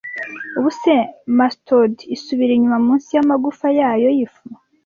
Ubuse mastodon isubira inyuma munsi yamagufa yayo yifu ,